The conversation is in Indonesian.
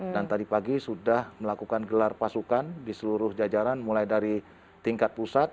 dan tadi pagi sudah melakukan gelar pasukan di seluruh jajaran mulai dari tingkat pusat